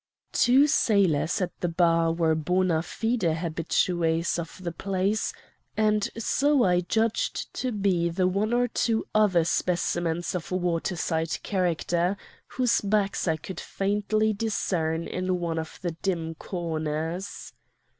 "Two sailors at the bar were bona fide habitués of the place, and so I judged to be the one or two other specimens of water side character whose backs I could faintly discern in one of the dim corners.